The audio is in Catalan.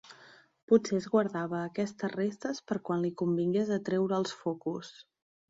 Potser es guardava aquestes restes per quan li convingués atreure els focus.